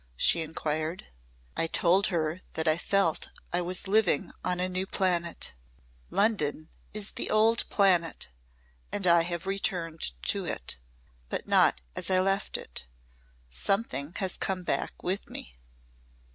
she inquired. "I told her that I felt I was living on a new planet. London is the old planet and I have returned to it. But not as I left it. Something has come back with me."